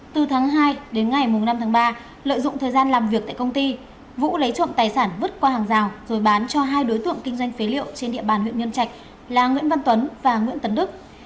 từ tháng hai đến ngày năm tháng ba lợi dụng thời gian làm việc tại công ty vũ lấy trộm tài sản vứt qua hàng rào rồi bán cho hai đối tượng kinh doanh phế liệu trên địa bàn huyện nhân trạch là nguyễn văn tuấn và nguyễn tấn đức